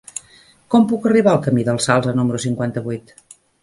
Com puc arribar al camí del Salze número cinquanta-vuit?